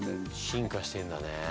進化してんだね。